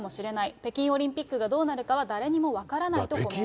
北京オリンピックがどうなるかは誰にも分らないとコメント。